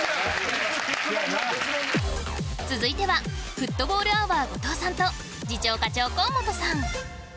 続いてはフットボールアワー後藤さんと次長課長河本さん